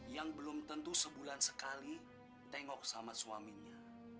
yang belum tentu sebulan sekali tengok sama suaminya